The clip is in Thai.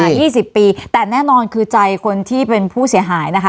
ยี่สิบปีแต่แน่นอนคือใจคนที่เป็นผู้เสียหายนะคะ